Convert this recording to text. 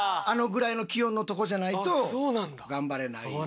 あのぐらいの気温のとこじゃないとがんばれない。